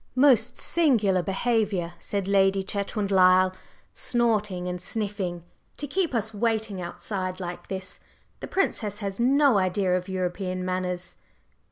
"Most singular behavior!" said Lady Chetwynd Lyle, snorting and sniffing, "to keep us waiting outside like this! The Princess has no idea of European manners!"